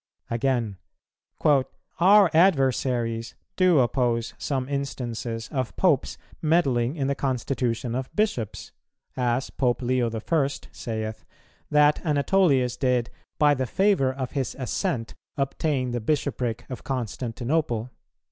Again: "Our adversaries do oppose some instances of popes meddling in the constitution of bishops; as, Pope Leo I. saith, that Anatolius did 'by the favour of his assent obtain the bishopric of Constantinople.'